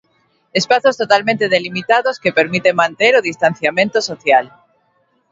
Espazos totalmente delimitados que permiten manter o distanciamento social.